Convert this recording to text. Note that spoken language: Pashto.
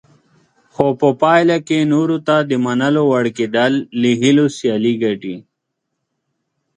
خو په پایله کې نورو ته د منلو وړ کېدل له هیلو سیالي ګټي.